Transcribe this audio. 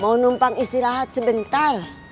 mau numpang istirahat sebentar